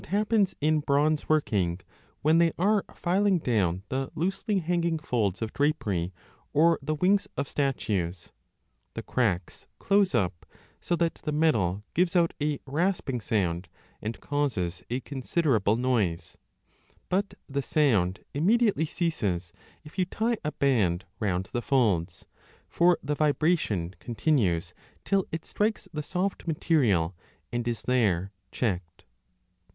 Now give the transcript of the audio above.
DE AUDIBILIBUS 8o 2 a happens in bronze working when they are filing down the loosely hanging folds of drapery or the wings of statues ; the cracks close up, so that the metal gives out a rasping sound and causes a considerable noise ; but the sound 40 immediately ceases if you tie a band round the folds ; for the vibration continues till it strikes the soft material and is there checked.